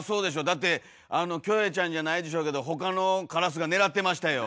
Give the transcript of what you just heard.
だってキョエちゃんじゃないでしょうけど他のカラスが狙ってましたよ。